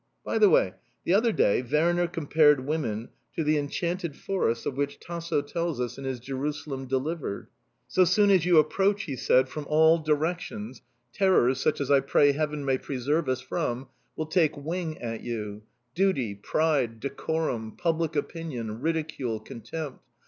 By the way: the other day, Werner compared women to the enchanted forest of which Tasso tells in his "Jerusalem Delivered." "So soon as you approach," he said, "from all directions terrors, such as I pray Heaven may preserve us from, will take wing at you: duty, pride, decorum, public opinion, ridicule, contempt...